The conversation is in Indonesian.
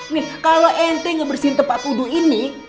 nih kalo ente ngebersihin tempat wudhu ini